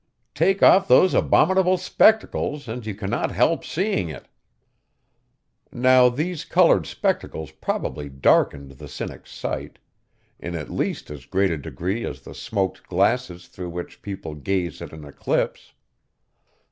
'Take off those abominable spectacles, and you cannot help seeing it!' Now these colored spectacles probably darkened the Cynic's sight, in at least as great a degree as the smoked glasses through which people gaze at an eclipse.